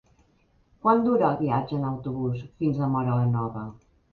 Quant dura el viatge en autobús fins a Móra la Nova?